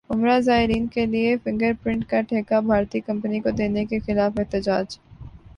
عمرہ زائرین کیلئے فنگر پرنٹ کا ٹھیکہ بھارتی کمپنی کو دینے کیخلاف احتجاج